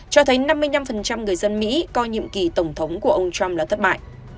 cho thấy năm mươi năm người dân mỹ coi nhiệm kỳ tổng thống của ông trump là thất bại